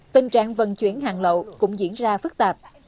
tình trạng vận chuyển hàng lậu cũng diễn ra phức tạp